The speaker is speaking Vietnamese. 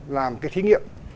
làm cái thí nghiệm